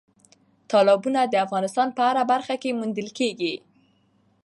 تالابونه د افغانستان په هره برخه کې موندل کېږي.